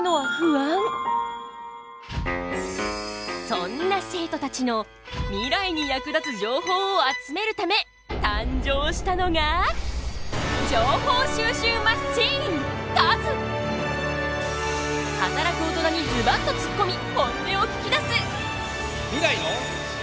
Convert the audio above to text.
そんな生徒たちのミライに役立つ情報を集めるため誕生したのが働く大人にズバッとつっこみ本音を聞きだす！